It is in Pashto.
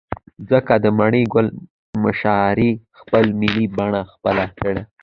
ځكه د مڼې گل مشاعرې خپله ملي بڼه خپله كړه.